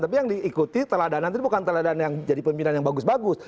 tapi yang diikuti teladanan itu bukan teladanan yang jadi pembinaan yang bagus bagus